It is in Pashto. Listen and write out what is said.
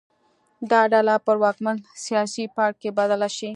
دا ډله پر واکمن سیاسي پاړکي بدله شي.